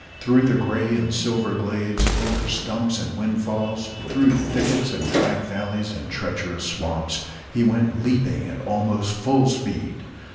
Through the gray and silver glades, over stumps and windfalls, through thickets and black valleys and treacherous swamps, he went leaping at almost full speed.